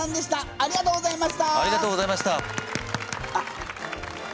ありがとうございます。